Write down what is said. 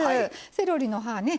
セロリの葉ね